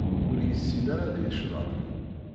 Ur yessin ara ad yecḍeḥ.